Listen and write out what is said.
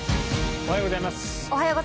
おはようございます。